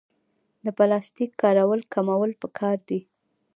د پلاستیک کارول کمول پکار دي